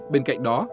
bên cạnh đó